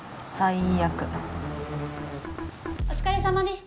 お疲れさまでした。